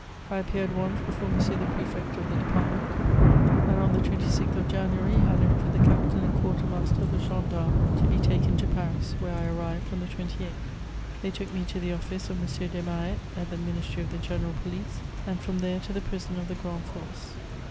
I appeared once before M. the Prefect of the department, and, on the 26th of January, I left with the captain and quarter master of the gendarmes to be taken to Paris, where I arrived on the 28th. They took me to the office of M. Desmarets at the ministry of the general police, and from there to the prison of the Grande Force."